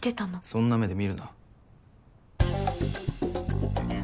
そんな目で見るな。